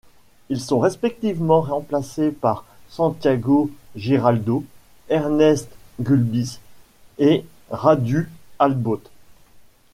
Ils sont respectivement remplacés par Santiago Giraldo, Ernests Gulbis et Radu Albot.